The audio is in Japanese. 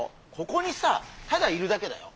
ここにさただいるだけだよ？